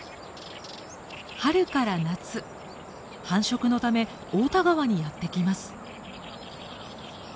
春から夏繁殖のため太田川にやって来ます。